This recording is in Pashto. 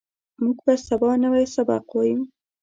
موږ به سبا نوی سبق وایو